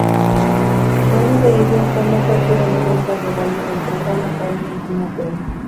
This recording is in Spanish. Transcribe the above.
Luego de ello, formó parte del elenco de baile del programa "Karina y Timoteo".